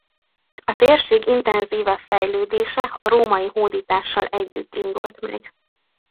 A térség intenzívebb fejlődése a római hódítással együtt indult meg.